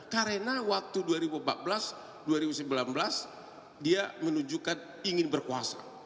karena waktu dua ribu empat belas dua ribu sembilan belas dia menunjukkan ingin berkuasa